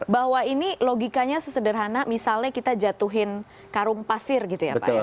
bahwa ini logikanya sesederhana misalnya kita jatuhin karung pasir gitu ya pak ya